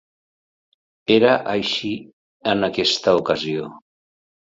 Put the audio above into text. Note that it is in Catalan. Era així en aquesta ocasió.